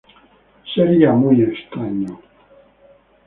Sería muy extraño.